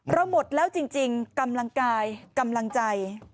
หมดแล้วจริงกำลังกายกำลังใจ